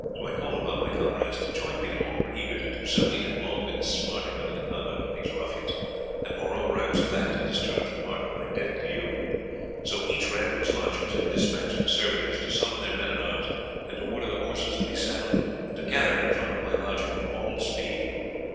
"I called upon my comrades to join me, and all were eager to do so. We had long been smarting under the conduct of these ruffians, and moreover I was glad to discharge a part of my debt to you. So each ran to his lodgings and despatched servitors to summon their men at arms, and to order the horses to be saddled, and to gather in front of my lodging with all speed.